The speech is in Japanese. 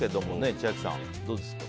千秋さん、どうですか。